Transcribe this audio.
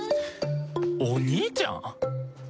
お兄ちゃん！？